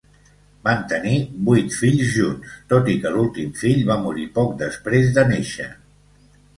Van tenir vuit fills junts, tot i que l'últim fill va morir poc després de nàixer.